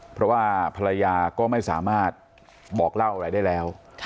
เพราะว่าภรรยาก็ไม่สามารถบอกเล่าอะไรได้แล้ว